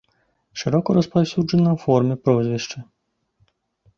Шырока распаўсюджана ў форме прозвішча.